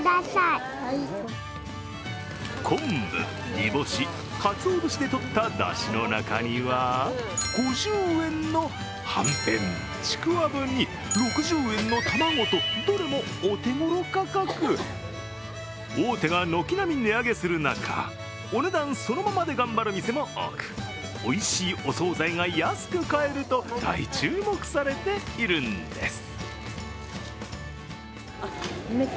昆布、煮干しかつお節で取っただしの中には５０円のはんぺん、ちくわぶに６０円の玉子と、どれもお手ごろ価格大手が軒並み値上げする中、お値段そのままで頑張る店も多くおいしいお総菜が安く買えると大注目されているんです。